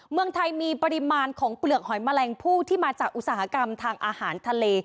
เมืองไทยมีปริมาณของเปลือกหอยแมลงผู้ที่มาจากอุตสาหกรรมทางอาหารทะเล